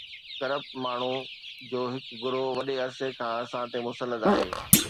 Corrupt ماڻهن جو هڪ گروهه وڏي عرصي کان اسان تي مسلط آهي.